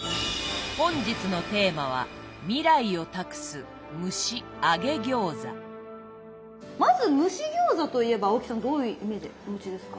本日のテーマはまず蒸し餃子といえば青木さんどういうイメージお持ちですか？